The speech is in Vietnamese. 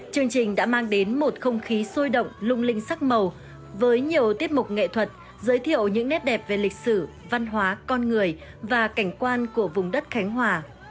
chương trình đã mang đến một không khí sôi động lung linh sắc màu với nhiều tiết mục nghệ thuật giới thiệu những nét đẹp về lịch sử văn hóa con người và cảnh quan của vùng đất khánh hòa